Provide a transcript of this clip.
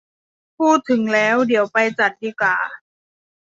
พูดถึงแล้ว เดี๋ยวไปจัดดีก่า